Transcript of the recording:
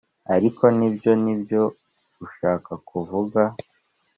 ariko nibyo nibyo ushaka kuvuga